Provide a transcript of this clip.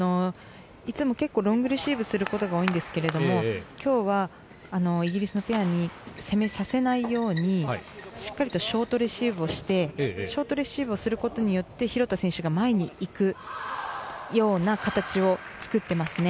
いつもロングレシーブすることが多いんですけれども今日はイギリスのペアに攻めさせないように、しっかりとショートレシーブをしてショートレシーブをすることで廣田選手が前にいくような形を作ってますね。